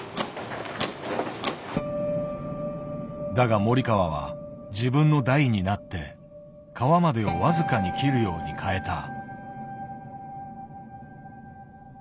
だが森川は自分の代になって皮までを僅かに切るように変えた。